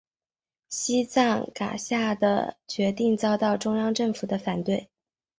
西藏噶厦的决定遭到中央政府的反对。